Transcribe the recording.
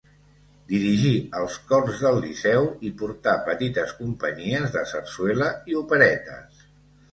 Dirigí els cors del Liceu i portà petites companyies de sarsuela i operetes.